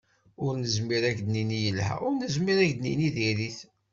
Ur nezmir ad k-d-nini yelha, ur nezmir ad k-d-nini diri-t.